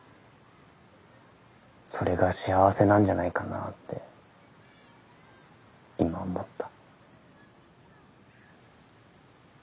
それが幸せなんじゃないかなって今思った。